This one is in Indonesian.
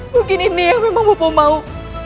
mungkin ini yang memang bopo mau